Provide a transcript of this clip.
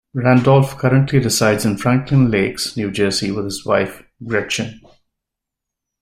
Randolph currently resides in Franklin Lakes, New Jersey with his wife Gretchen.